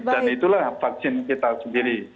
dan itulah vaksin kita sendiri